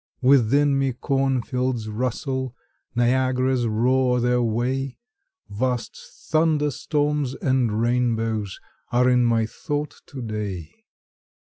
Within me cornfields rustle, Niagaras roar their way, Vast thunderstorms and rainbows Are in my thought to day.